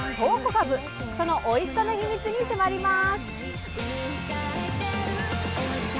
かぶそのおいしさの秘密に迫ります。